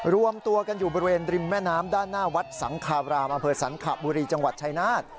รวมตัวกันอยู่บริเวณริมแม่น้ำด้านหน้าวัดสังคารามอำเภอสันขบุรีจังหวัดชายนาฏ